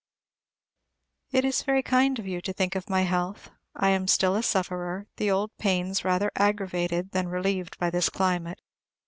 It is very kind of you to think of my health. I am still a sufferer; the old pains rather aggravated than relieved by this climate.